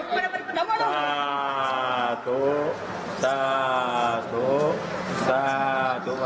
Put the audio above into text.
สาธุสาธุสาธุสาธุ